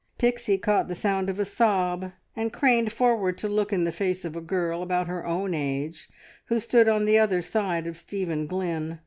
Pixie caught the sound of a sob, and craned forward to look in the face of a girl about her own age who stood on the other side of Stephen Glynn.